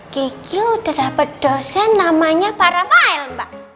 kekil udah dapet dosen namanya pak rafael mbak